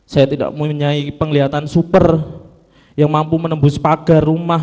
saya tidak mempunyai penglihatan super yang mampu menembus pagar rumah